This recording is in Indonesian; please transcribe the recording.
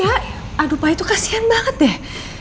aduh aduh pa itu kasihan banget deh